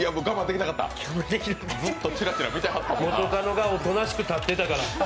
元カノがおとなしく立ってたから。